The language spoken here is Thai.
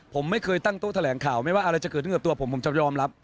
ผมไม่เคยตั้งโต๊ะแถลงข่าวไม่ว่าอะไรจะเกิดขึ้นกับตัวผมผมจะยอมรับ